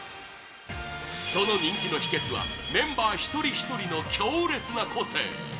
その人気の秘訣はメンバー一人ひとりの強烈な個性